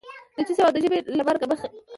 د جسم او د ژبې له مرګ مخکې خو